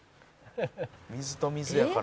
「水と水やから」